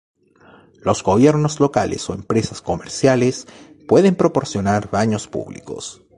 Los gobiernos locales o empresas comerciales pueden proporcionar baños públicos.